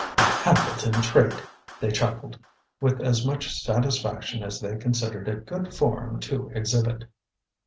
"A Hambleton trait!" they chuckled, with as much satisfaction as they considered it good form to exhibit.